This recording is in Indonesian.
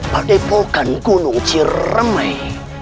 padepokan gunung ciremai